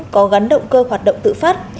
có gắn động cơ hoạt động tự phát